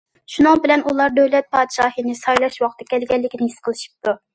شۇنىڭ بىلەن ئۇلار دۆلەت پادىشاھىنى سايلاش ۋاقتى كەلگەنلىكىنى ھېس قىلىشىپتۇ.